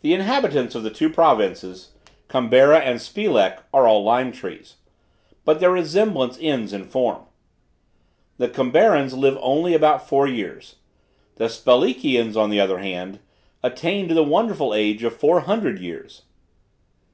The inhabitants of the two provinces, Cambara and Spelek, are all lime trees. But their resemblance ends in form. The Cambarans live only about four years. The Spelekians, on the other hand, attain to the wonderful age of four hundred years.